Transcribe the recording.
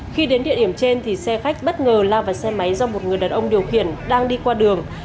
khi đến địa điểm trên xe khách bất ngờ lao vào xe máy do một người đàn ông điều khiển đang đi qua đường